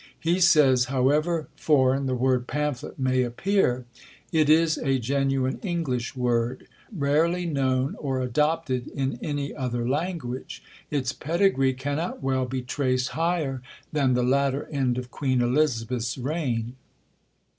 He says, "However foreign the word Pamphlet may appear, it is a genuine English word, rarely known or adopted in any other language: its pedigree cannot well be traced higher than the latter end of Queen Elizabeth's reign.